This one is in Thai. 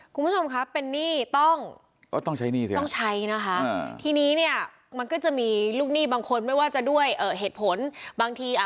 คุณผู้ชมครับเป็นหนี้ต้องก็ต้องใช้หนี้สิต้องใช้นะคะทีนี้เนี่ยมันก็จะมีลูกหนี้บางคนไม่ว่าจะด้วยเหตุผลบางทีอ่ะ